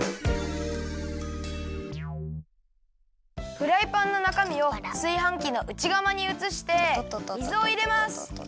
フライパンのなかみをすいはんきのうちがまにうつして水をいれます。